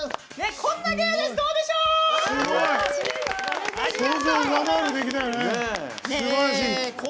こんな芸です、どうでしょう！